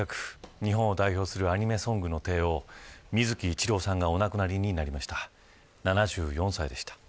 日本を代表するアニメソングの帝王水木一郎さんがお亡くなりになりました。